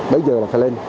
đấy giờ là phải lên